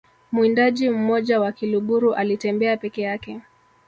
mwindaji mmoja wa kiluguru alitembea peke yake